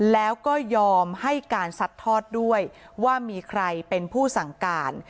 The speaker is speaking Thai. แล้วก็ยอมให้การสัดทอดด้วยว่ามีใครเป็นผู้สั่งการ